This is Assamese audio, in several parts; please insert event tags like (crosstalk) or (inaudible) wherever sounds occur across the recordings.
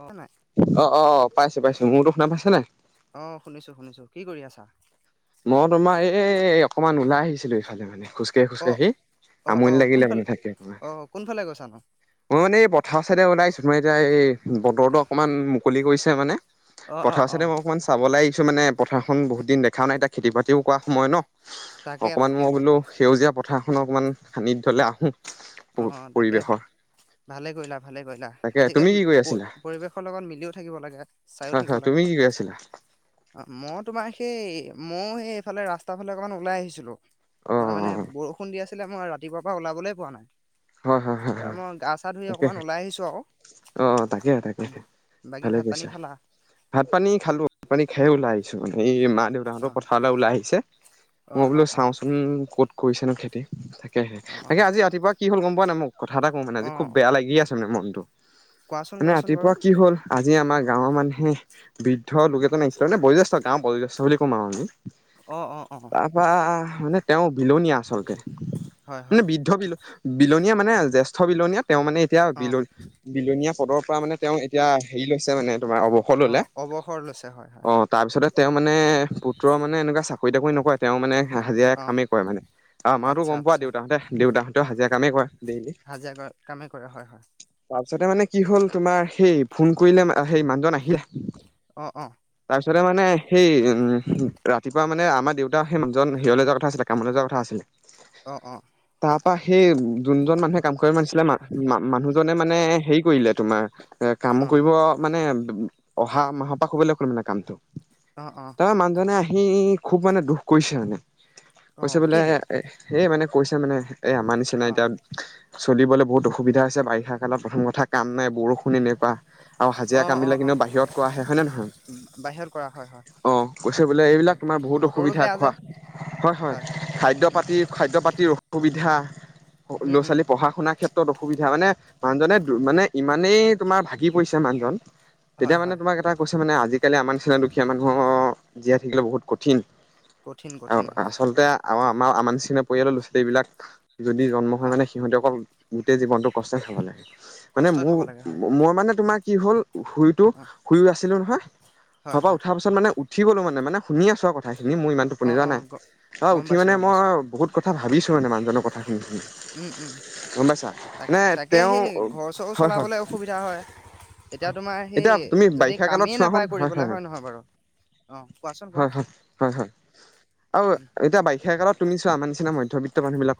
অ নাই অ-অ, পাইছো-পাইছো, মোৰতো শুনা পাইছ নাই? অ শুনিছো শুনিছো কি কৰি আছা। মই তোমাৰ এই অকনমান ওলাই আহিছিলো এইফালে মানে। অ খোজকাঢ়ি-খোজকাঢ়ি, অ অ আমনি লাগিলে কোনফালে মানে থাকে অ অকণমান কোনফালে গৈছানো মানে এই পথাৰ চাইডে ওলাইছোঁ মই এতিয়া এই বতৰটো অকণমান মুকলি কৰিছে মানে। অ অ পথাৰ অ চাইদে মই অকণমান চাবলে আহিছো মানে পথাৰখন বহুত দিন দেখাও নাই এতিয়া খেতি-বাতিও কৰা সময় ন। তাকে অকমান তাকে মই তাকে বোলো, সেউজীয়া পথাৰখনো অকমান সানিধলে আহো। অ অ তাকে পৰিৱেশৰ ভালে কৰিলা ভালে কৰিলা তাকে তুমি আজিকালি কি কৰি আছিলা পৰিৱেশৰ লগত মিলিও থাকিব লাগে চাইও হয় হয় থাকিব লাগে। তুমি কি আছিলে অ মই তোমাৰ। সেই ময়ো সেই এইফালে ৰাস্তা ফালে অকণমান ওলাই আহিছিলো, অ অ তোমাৰ মানে বৰষুণ দি আছিলে আছিলে মই ৰাতিপুৱাৰ পৰা ওলাবলৈ পোৱা নাই হয় হয় হয় তাপা হয় মই গা চা ধুই তাকে অকমান ওলাই আহিছো আকৌ। অ, তাকে-তাকে ভালে ভাত পানী কৰিছা, খালা ভাত-পানী খালো, ভাত-পানী খাই ওলাই আহিছো সেই মা-দেউতাহঁতৰ অ পথাৰলে ওলাই আহিছে, অ মই অ বোলো অ চাওঁচোন ক'ত কৰিছেনো খেতি তাকেহে অ তাকে আজি ৰাতিপুৱা কি হল গম পোৱা নাই মোক কথা এটা কওঁ মানে অ অ আজি খুব বেয়া লাগিয়ে চে মনটো কোৱাচোন মানে কোৱাচোন ৰাতিপুৱা বাৰু কি হ'ল আজি আমাৰ গাঁৱৰ মানুহে, বৃদ্ধ লোক এজন নাগিছিলে মানে বয়োজ্যেষ্ঠ, গাঁও বয়োজ্যেষ্ঠ বুলি কম আৰু আমি অ অ অ তা পা মানে তেওঁ বিলনীয়া আচলতে, হয় মানে হয় বৃদ্ধ বিল বিলনীয়া মানে জ্যেষ্ঠ বিলনীয়া তেওঁ মানে এতিয়া অ বিল বিলনীয়া পদৰ পৰা মানে তেওঁ এতিয়া হেৰি লৈছে মানে তোমাৰ অৱসৰ অ ললে অৱসৰ লৈছে হয় হয় অ তাৰপিছতে তেওঁ মানে পুত্ৰৰ মানে এনেকুৱা চাকৰি টাকৰি নকয় তেওঁ মানে হাজিৰা অ কামেই কৰে মানে আৰু আমাৰো আচ্ছা গম পোৱা আচ্ছা দেউতাহঁতে-দেউতাহঁতেও হাজিৰা কামেই কৰে। ডেইলি। হাজিৰা কৰা, কামে কৰা হয়-হয় পিছতে মানে কি হ'ল তোমাৰ সেই ফোন কৰিলে সেই মানুহজন আহি অ অ তাৰপাছতে মানে সেই ৰাতিপুৱা মানে আমাৰ দেউতা সেইমানুহজন হেৰিয়লে যোৱা কথা কথা আছিলে কামলে যোৱা কথা আছিলে। অঁহ-অঁহ এই কোনজন মানুহে কাম কৰিব মাতিছিলে মানুহজনে মানে হেৰি কৰিলে তোমাৰ এ কাম অ কৰিব মানে অহা মাহৰ পৰা কৰিবলৈ কলে অ অ তাৰপৰা মানুহজনে আহি খুব মানে দুখ কৰিছে মানে। অ কৈছে বোলে কেলে এই মানে কৈছে মানে। এই আমাৰ নিচিনা অ এতিয়া চলিবলৈ বহুত অসুবিধা আছে বাৰিষা কালত প্ৰথম কথা কাম নাই বৰষুণে কৰা আৰু অ হাজিৰা অ কামবিলাক অ এনেও বাহিৰত কৰা হয় নে নহয় বাহিৰত কৰা হয় হয়। অঁ কৈছে বোলে তাক এইবিলাক তোমাৰ বহুত বতৰো অসুবিধা বেয়া যে খোৱা হয়-হয় হয় খাদ্য উম পাতি খাদ্য পাতিৰ অসু অসুবিধা উম উম ল'ৰা-ছোৱালী পঢ়া-শুনাৰ ক্ষেত্ৰত। তোত অসুবিধা মানে মানুহজনে, মানে ইমানেই তোমাৰ ভাগি পৰিছে মানুহজন হয় তেতিয়া মানে হয় তোমাক এটা কৈছো মানে, আজিকালি আমাৰ নিচিনা দুখীয়া মানুহৰ জীয়াই থাকিলে বহুত কঠিন কঠিন কঠিন হয়। আৰু আমাৰ আমা নিচিনা পৰিয়ালৰ ল'ৰা ছোৱালীবিলাক যদি জন্ম হয় অ মানে সিহঁতে অকল গোটেই জীৱনটো কষ্ট খাব লাগে মানে কষ্টই মোৰ খাব লাগে হয় মই মানে তোমাক কি হ'ল শুইতো অ শুই আছিলো নহয় হয় পাপা হয় উঠাৰ পাছত মানে উঠি গলো মানে, মানে শুনি আছো আৰু কথাখিনি তুমি মোৰ ইমান অ টোপনি য়াবা অ নাই গ অ গম উঠি পাইছোঁ মানে গম মই পাইছোঁ বহুত কথা ভাবিছো মানে মান হ উম উম (unintelligible) তাক, তাকে সেই ঘৰ-চৰ হয় হয় চলাবলৈ অসুবিধা হয়। এতিয়া তোমাৰ এতিয়া তুমি সেই যদি বাৰিষা কালত কামেই চোৱাচোন নাপায় কৰিবলৈ হয় নহয় বাৰু। আহ, কোৱাচোন কোৱা হয় হয় হয় হয় আৰু এতিয়া বাৰিষা কালত তুমি চোৱা আমাৰ নিচিনা মধ্যবিত্ত মানুহ বিলাক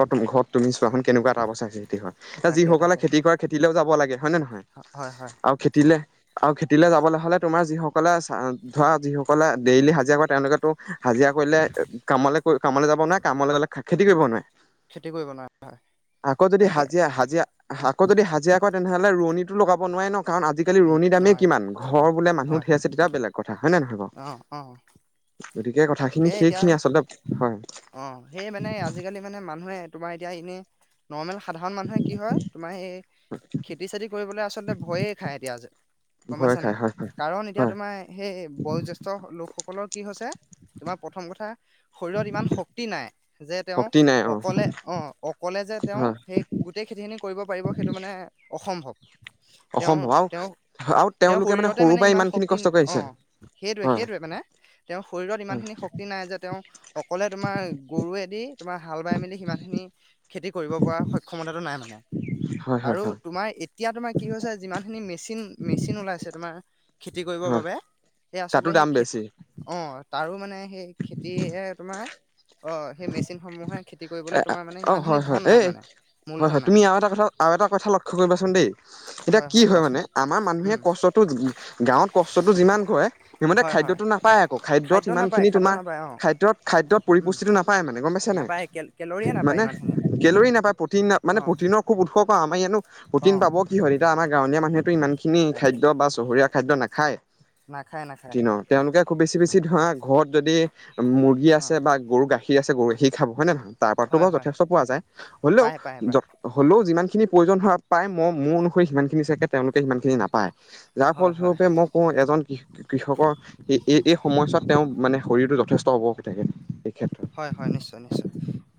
চোৱা চোন কেনেকুৱা এটা অৱস্থা সৃষ্টি হয় এ যি তাকে সকলে তাকে খেতি কৰে খেতিলেও যাব লাগে। হয় নে নহয় হয় হয় আৰু খেতিলে আৰু খেতিলৈ যাবলৈ হলে তোমাৰ যিসকলে ধৰা যিসকলে ডেইলি হাজিৰা কৰে তেওঁলোকেতো। হাজিৰা কৰিলে কামলৈ কামলৈ যাব নোৱাৰে কামলৈ গলে খেতি কৰিব নোৱাৰে। খেতি কৰিব নোৱাৰে হয় আকৌ যদি তাকে হাজিৰা-হাজিৰা হা- আকৌ যদি হাজিৰা কৰে তেনেহ'লে ৰোৱণীটো লগাব নোৱাৰে ন। কাৰণ আজিকালি উম ৰুৱনি দামেই নোৱাৰে কিমান ঘৰ বোলে মানুহ ধেই আছে তেতিয়া বেলেগ কথা হয় নে নহয়। বাৰু? আহ আহ গতিকে তাকে কথাখিনি এতিয়া সেইখিনি আচলতে হয় অ সেই মানে আজিকালি মানে মানুহে। তোমাৰ এতিয়া এনে নৰ্মেল সাধাৰণ মানুহে কি হয় তোমাৰ এই খেতি চেতি কৰিবলৈ আ আচলতে ভয়েই খায় এতিয়া যে গম ভয় পাইছা খাই নাই হয় হয় কাৰণ এতিয়া হয়। তোমাৰ সেই এই বয়োজ্যেষ্ঠ লোকসকলৰ কি হৈছে তোমাৰ প্ৰথম কথা। শৰীৰত ইমান শক্তি নাই, যে তেওঁ শক্তি নাই অ অকলে আহ অকলে কলে যে তেওঁ হয় সেই গোটেই খেতি খিনি কৰিব পাৰিব সেইটো মানে অসম্ভৱ। অসম্ভৱ আৰু আৰু তেওঁ-তেওঁ-তেওঁৰ তেওঁলোকে শৰীৰতে সৰুৰ মানে পৰা ইমান খিনি শক্তি কষ্ট কৰি (inaudible) অ আহিছে হয় সেইটোৱেই-সেইটোৱেই মানে। তেওঁৰ শৰীৰত ইমানখিনি শক্তি নাই যে তেওঁ অকলে তোমাৰ গৰুৱেদি তোমাৰ হাল বাই মেলি সিমান খিনি। খেতি কৰিব পৰা সক্ষমতাটো নাই মানে হয় হয় আৰু হয় তোমাৰ এতিয়া তোমাৰ কি হৈছে যিমানখিনি মেচিন-মেচিন ওলাইছে তোমাৰ খেতি কৰিবৰ হয় বাবে। এই তাতো আচলতে দাম সেই খেতি বেছি অঁ তাৰো মানে সেই খেতিয়ে তোমাৰ অ সেই মেচিনসমূহে খেতি এ কৰিবলৈ তোমাৰ মানে অ সিমানখিনি হয় ধন হয়, নাই এই মানে হয় মূলধন হয় নাই তুমি আৰু এটা কথা আৰু এটা কথা লক্ষ্য কৰিবাচোন দেই। এতিয়া কি হয় মানে আমাৰ মানুহে উম কষ্টটো গাঁৱত কষ্টটো যিমান কৰে সিমানে খাদ্য হয় হয় খাদ্যতো নাপায় আকৌ খাদ্যত খাদ্য নাপায় সিমানখিনি খাদ্য তোমাৰ নাপায় অ খাদ্যত-খাদ্যত উম পৰিপুষ্টিটো নাপায় মানে, গম পাইছা নাই? নাপায় কে কেলৰিয়ে নাপায় মানে ইমানখিনি কেলৰি নাপায় প্ৰটিন মানে অঁ প্ৰটিনৰ খুব উৎসৱ আমাৰ ইয়ানো প্ৰটিন অঁ পাব কি হ'ল এতিয়া আমাৰ গাঁৱলীয়া মানুহেটো ইমানখিনি তাকে খাদ্য বা চহৰীয়া খাদ্য নাখায়। নাখায় নাখায় ন হয় তেওঁলোকে খুব বেছি-বেছি ধৰা ঘৰত যদি মুৰ্গী আছে অঁ বা গৰু গাখীৰ আছে গৰু গাখীৰ খাব হয় নে নহয়? তাৰপাততো হয় বাৰু হয় যথেষ্ট পোৱা যায়। হ'লেও পায় পায় পায় অঁ হ'লেও যিমানখিনি প্ৰয়োজন হোৱা পায় মই মোৰ অনুসৰি সিমানখিনি চাগে তেওঁলোকে সিমানখিনি নাপায়। যাৰ হয় হয় ফলস্বৰূপে মই কওঁ এজন কৃষকৰ এই-এই সময়চোৱাত তেওঁ মানে শৰীৰটো যথেষ্ট থাকে এইেতত (unintelligible) হয় হয় নিশ্চয় নিশ্চয়,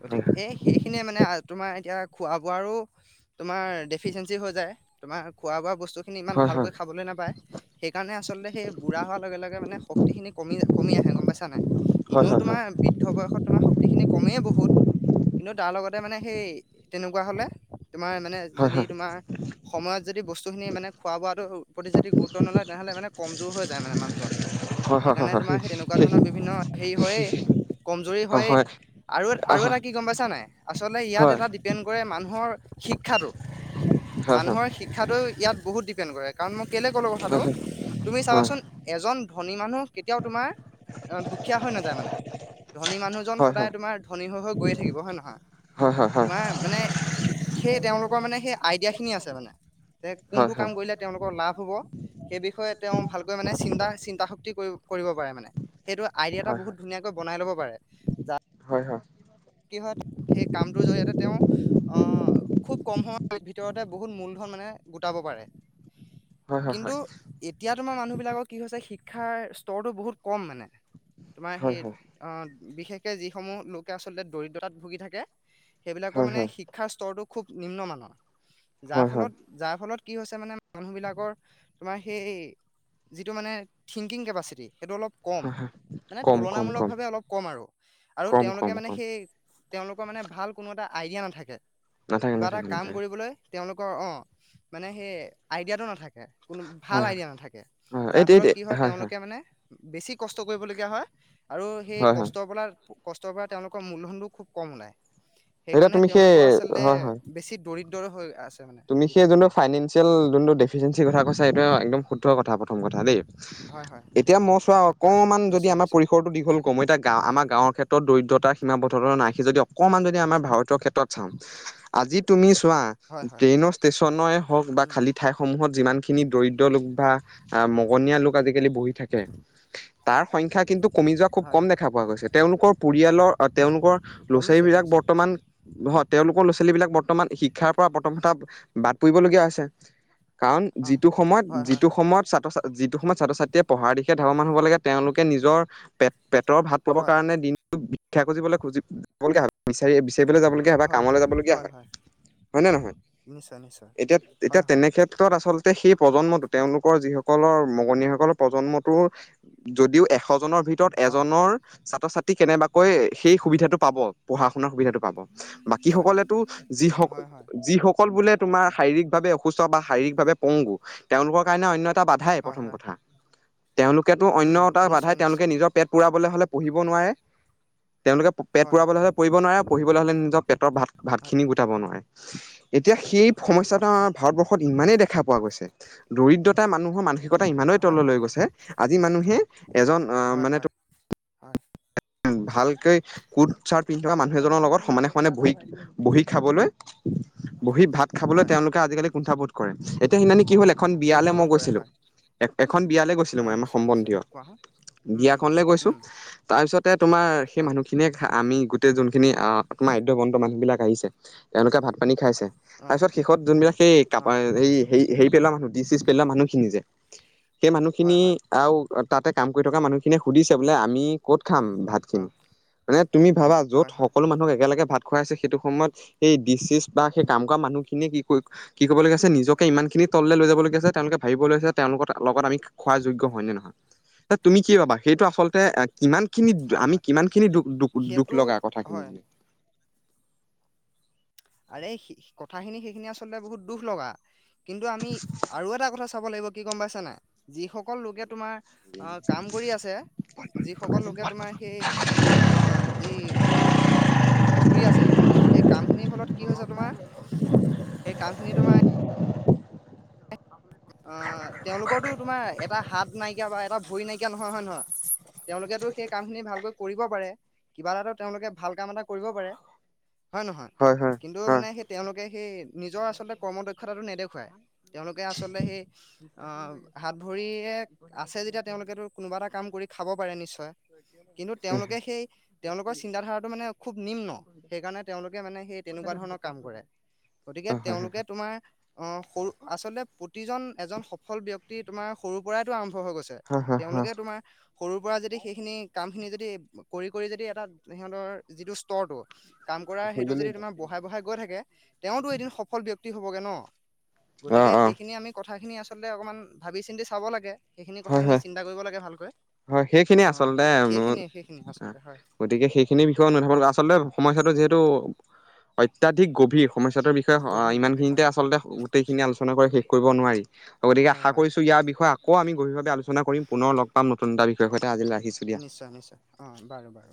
গতিকে এই সেইখিনিয়ে মানে তোমাৰ এতিয়া খোৱা-বোৱাৰো তোমাৰ ডেফিচিয়েঞ্চি হৈ যায়, তোমাৰ খোৱা-বোৱা বস্তু বস্তুখিনি ইমান হয় হয় ভালকৈ খাবলৈ নাপায় সেইকাৰণে আলতে সেই বুঢ়া হোৱাৰ লগে লগে মানে শক্তিখিনি কমি কমি গম পাইছা নাই। হয় হয় এনেও হয় তোমাৰ হয় বি বয়সত তোমাৰ শক্তিখিনি কমেই বহুত কিন্তু তাৰ লগতে মানে সেই তেনেকুৱা হ'লে তোমাৰ মানে হয় যদি হয় তোমাৰ সময়ত যদি বস্তুখিনি মানে খোৱা-বোৱাটোৰ প্ৰতি যদি গুৰুত্ব নলয় তেনেহ'লে মানে কমজোৰ হৈ যায় মানে মানুহজন। হয় হয় সেইকাৰণে তোমাৰ তেনেকুৱা ধৰণৰ বিভিন্ন হেৰি হয়েই। কমজুৰি হয় হয়ে। হয় আৰু আৰু এটা কি গম পাইছা নাই আচলতে ইয়াত এটা ডিপেণ্ড কৰে মানুহৰ শিক্ষাটো, সেই হয় হয় মানুহৰ শিক্ষাটো ইয়াত বহুত ডিপেণ্ড কৰে কাৰণ মোক কেলে ক'লোঁ কথাটো তুমি চাবাচোন এজন ধনী মানুহ কেতিয়াও তোমাৰ এ দুখীয়া হৈ নাযায় মানে। ধনী মানুহজন হয় সদায় তোমাৰ ধনী হৈ হৈ গৈয়ে থাকিব হয় নে নহয়। হয় হয় হয় তোমাৰ মানে সেই তেওঁলোক। পুৰা মানে সেই আইডিয়া খিনি আছে মানে, যে হয় হয় হয় হয় কোনটো কাম কৰিলে তেওঁলোকৰ লাভ হ'ব। সেই বিষয়ে তেওঁ ভালকৈ মানে চিন্তা-চিন্তা শক্তি কৰিব পাৰে মানে সেইটো আইডিয়া এটা বহুত ধুনীয়াকৈ বনাই ল'ব পাৰে। য- হয় হয় কি হয়, সেই কামটোৰ জৰিয়তে তেওঁ, আহ খুব কম সময় ভিতৰতে বহুত মূলধন মানে গোটাব পাৰে। হয় হয় হয় হয় হয় হয় কিন্তু এতিয়া তোমাৰ মানুহ বিলাকৰ কি হৈছে শিক্ষা শিক্ষাৰ স্তৰটো বহুত কম মানে তোমাৰ হয় সেই বিশেষকে যিসমূহ লোকে আচলতে দৰিদ্ৰতাত ভুগি থাকে, সেইবিলাকৰ হয় হয় হয় হয় হয় মানে শিক্ষাৰ স্তৰতো খুব নিম্নমানৰ। হয় যাৰ হয় হয় ফলত যাৰ ফলত কি হৈছে মানে মানুহবিলাকৰ তোমাৰ সেই যিটো মানে, থিংকিং কেপাচিটি সেইটো অলপ কম, হয় মানে কম কম তুলনামূলক কম ভাৱে অলপ কম আৰু। আৰু কম তেওঁলোকে কম মানে কম সেই তেওঁলোকৰ মানে ভাল কোনো এটা আইডিয়া নাথাকে, নাথাকে কিবা এটা নাথাকে কাম নাথাকে কৰিবলৈ তেওঁলোকৰ অ মানে সেই আইডিয়াটো নাথাকে। কোনো ভাল হয় হয় আইডিয়া নাথাকে হয় যাৰ এইটো ফলত এইটো কি হয় তেওঁলোকে মানে বেছি কষ্ট কৰিবলগীয়া হয় আৰু সেই হয় হয় কষ্ট বলৰ - তেওঁলোকৰ মূলধনটো খুব কম ওলায় এতিয়া সেইকাৰণে তুমি সেই তেওঁলোকৰ আচলতে হয় হয় বেছি দৰিদ্ৰ দৰ হৈ আছে। মানে তুমি সেই দিনক যোনটো দিনে ফাইনেন্ঞ্চিয়েল যোনটো ডেফিচিয়ঞ্চি কথা কৈছা, এইটো একদম শুদ্ধ কথা ক। প্ৰথম কথা দেই হয় হয় এতিয়া মই চোৱা অকণমান যদি নিশ্চয় আমাৰ নিশ্চয় পৰিসৰটো দীঘল কম, এতিয়া গাওঁ আমাৰ গাঁৱৰ ক্ষেত্ৰত দৰিদ্ৰতা সীমাবদ্ধত নাৰাখি যদি, অকমান যদি আমাৰ ভাৰতীয়ৰ ক্ষেত্ৰত চাম, আজি তুমি চোৱা হয় হয় ট্ৰেইনৰ ষ্টেচনে হওক বা উম খালি ঠাইসমূহত যিমান খিনি দৰিদ্ৰ লোক বা আ, আজিকালি বহি থাকে। তাৰ সংখ্যা কিন্তু কমি যোৱা খুব হয় কম হয় দেখা পোৱা গৈছে, তেওঁলোকৰ পৰিয়ালৰ তেওঁলোকৰ ল'ৰা-ছোৱালী কমিছে এইবিলাক কমিছে বৰ্তমান ঘৰত তেওঁলোকৰ ল'ৰা ছোৱালীবিলাক বৰ্তমান শিক্ষাৰ পৰা প্ৰথম হথম কথা বাদ পৰিব লগীয়া হৈছে। কাৰণ অ যিটো সময়ত, হয় হয় যিটো হয় সময়ত ছাত্ৰ-ছাত্ৰী যি কি সময়ত ছাত্ৰ ছাত্ৰীয়ে পঢ়াৰ দিশে ধাৱমান হব লাগ তেওঁলোক নিজৰ পেট পেটৰ ভাত পাবৰ হয় কাৰণে দিন ভিক্ষা খুজিবলৈ, খুজিব যাবলগীয়া হয়, বিচাৰি, বিচাৰিবলৈ যাবলগীয়া হয়, বা কামলৈ যাবলগীয়া হয়। হয় নে নহয়, নিশ্চয় নিশ্চয় এতিয়া-এতিয়া হয় হয় তেনে ক্ষেত্ৰত আচলতে আচলতে সেই প্ৰজন্মটো, তেওঁলোকৰ যিসকলৰ মগনীয়াসকলৰ প্ৰজন্মটো যদিও এশজনৰ ভিতৰত অ এজনৰ ছাত্ৰ ছাত্ৰী কেনেবা- কৈ সেই উম সুবিধাতটো পাব পঢ়া শুনাৰ সুবিধাটো পাব বাকী হয় সকলেতো যিস হয় হয় যিসকল বোলে তোমাৰ শাৰীৰিক ভাৱে অসুস্থ বা শাৰীৰিক ভাৱে পংগু, তেওঁলোকৰ কাৰণে অন্য বাধাই হয় প্ৰথম হয় কথা। তেওঁলোকেটো অন্য উম এটা বাধাই নিশ্চয় তেওঁলোকে নিশ্চয় নিজৰ পেট পুৰা, হ'লে পঢ়িব নোৱাৰে। তেওঁলোকে পেট হয় পুৰাবলৈ হলে পঢ়িব নোৱাৰে, আৰু পঢ়িবলৈ হলে নিজৰ পেটৰ ভাত-ভাত হয় খিনি গোটাব নোৱাৰে। এতিয়া সেই সমস্যাটো আমাৰ ভাৰতবৰ্ষত ইমানেই দেখা পোৱা গৈছে দৰিদ্ৰতা মানুহৰ মানসিক ইমানেই হয় হয় তললৈ গৈছে, আজি মানুহে এজন আহ হয় মানে হয় হয় (unintelligible) ভালকৈ কুট চাৰ্ট পিন্ধি থকা মানুহ এজনৰ লগত সমানে সমানে বহি বহি খাবলৈ, বহি ভাত খাবলৈ হয় তেওঁলোকে আজিকালি কুণ্ঠাবোধ কৰে। এতিয়া সেইদিনাখনি কি হল, এখন বিয়ালৈ মই কুণ্ঠাবোধ কৰে গৈছিলো। হয় এ এখন বিয়ালে গৈছিলো অ মই আমাৰ নিশ্চয় নিশ্চয় সম্বন্ধীয়, কোৱা হা উম উম বিয়াখনলে গৈছো উম তাৰপিছতে তোমাৰ সেই অ মানুহখিনিয়ে আমি গ - যোনখিনি আহ আমাৰ আধ্য বন্ত মানুহ বিলাক আহিছে তেওঁলোকে ভাত পানী খাইছে। অ তাৰ পিছত শেষত যোনবিলাক সেই ক অ এই হ হেৰি পেলোৱা মানুহ দি- পেলোৱা মানুহখিনি যে সেই হয় মানুহখিনি হয় আৰু তাতে কাম কৰি থকা মানুহখিনিয়ে সুধিছে বোলে, আমি ক'ত খাম ভাত অ খিনি। মানে তুমি ভাবা য'ত হয় হয় সকলো মানুহক একেলগে ভাত- খুৱাইছে। সেইটো সময়ত সেই ডিচিজ বা সেই কাম কৰা মানুহখিনিয়ে কি কি কবলগীয়া আছে নিজকে ইমান খিনি- তললে লৈ যাবলগীয়া আছে, তেওঁলোক ভাবিব লৈছে তেওঁলোকৰ লগত আমি খোৱা যোগ্য হয় নে নহয় তুমি কি পাবা সেইটো আচলতে কিমান খিনি হয় আমি হয় কিমান খিনি, দুখ-দুখ-দুখ সেইটো লগা কথাখিনি হয় আৰে কথাখিনি, সেইখিনি আচলতে বহুত দুখ লগা কিন্তু আমি আৰু এটা কথা চাব লাগিব কি গম পাইছে নাই, যিসকল লোকে তোমাৰ আহ কাম কৰি আছে। যিসকল লোকে তোমাৰ সেই অ যি তোমাৰ কৰি আছে, এই কামখিনিৰ ফলত কি হৈছে তোমাৰ? এই কামখিনি তোমাৰ অ তেওঁলোকৰটো তোমাৰ এটা হাত নাইকিয়া বা এটা ভৰি নাইকিয়া নহয় হয় নহয়? তেওঁলোকেতো সেই কাম খিনি ভালকে কৰিব পাৰে, কিবা এটাতো তেওঁলোকে ভাল কাম এটা কৰিব পাৰে। হয় নহয়। হয় কিন্তু হয়। মানে সেই তেওঁলোকে সেই নিজৰ আচলতে কৰ্ম দক্ষতাটো নেদেখুৱাই। তেওঁলোকে আচলতে সেই অ, হাত, ভৰিয়ে আছে যেতিয়া, তেওঁলোকেতো কোনোবা এটা কাম কৰি খাব পাৰে। ্চয় (unintelligible) কিন্তু অ তেওঁলোকে সেই তেওঁলোকৰ চিন্তা ধাৰাটো মানে খুব নিম্ন। সেইকাৰণে তেওঁলোকে মানে সেই তে- তেনেকুৱা ধৰণৰ কাম কৰে, গতিকে হয় হয় তেওঁলোকে তোমাৰ আহ সৰু আচলতে প্ৰতিজন এজন সফল ব্যক্তি তোমাৰ সৰুৰ পৰাইতো আৰম্ভ হৈ গৈছে হয় হয় হয় তেওঁলোকে তোমাৰ সৰু সেইখিনি কাম খিনি যদি কৰি কৰি যদি এটা সিহঁতৰ যিটো স্তৰটো কাম কৰা হৈ সেইটো গ'ল নি য, তমাৰ (unintelligible) বঢ়াই বঢ়াই গৈ থাকে। তেওঁতো এদিন সফল ব্যক্তি হবগে ন। অ গতিকে অ সেইখিনি আমি কথাখিনি আচলতে অকমান ভাবি চিন্তি চাব লাগে। সেইখিনি হয় কথাখিনি হয় চিন্তা কৰিব লাগে ভালকৈ। হয় সেইখিনি অ আচলতে সেইখিনিয়ে সেইখিনিয়ে আচলতে হয় গতিকে সেইখিনি বিষয়ে নাথাক আচলতে সমস্যাটো যিহেতু অত্যাধিক গভীৰ সমস্যাটোৰ বিষয়ে গভীৰ গভীৰ ইমানখিনিতে হয় আচলতে গোটেইখিনি আলোচনা কৰি শেষ কৰিব নোৱাৰি, গতিকে হয় আশা হয় কৰিছো ইয়াৰ ত বিষয়ে আকৌ আমি গভীৰভাৱে আলোচনা কৰিম, পুনৰ লগ পাম নতুন এটা বিষয় সৈতে আজিলৈ ৰাখিছো দিয়া। নিশ্চয় নিশ্চয় অ বাৰু বাৰু।